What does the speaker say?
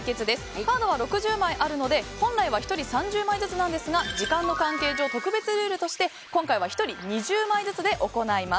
カードは６０枚あるので本来は１人３０枚ずつなんですが時間の関係上、特別ルールとして今回は１人２０枚ずつで行います。